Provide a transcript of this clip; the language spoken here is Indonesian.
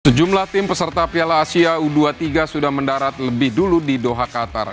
sejumlah tim peserta piala asia u dua puluh tiga sudah mendarat lebih dulu di doha qatar